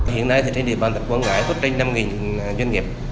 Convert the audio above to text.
hiện nay thì trên địa bàn tỉnh quảng ngãi có trên năm doanh nghiệp